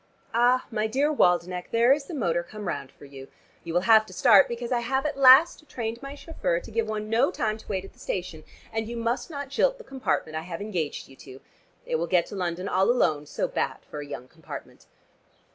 Ah, my dear Waldenech, there is the motor come round for you. You will have to start, because I have at last trained my chauffeur to give one no time to wait at the station, and you must not jilt the compartment I have engaged you to. It will get to London all alone: so bad for a young compartment."